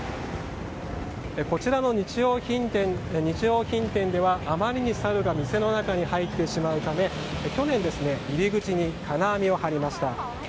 こちらの日用品店ではあまりにサルが店の中に入ってしまうため去年、入り口に金網を張りました。